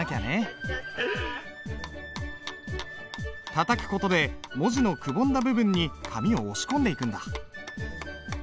たたく事で文字のくぼんだ部分に紙を押し込んでいくんだ。